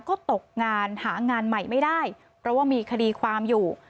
ก็ตกงานหางานใหม่ไม่ได้เพราะว่ามีคดีความอยู่